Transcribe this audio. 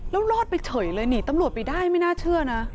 แล้วรอดไปเฉยเลยนี่ตำรวจไปได้ไม่น่าเชื่อนะ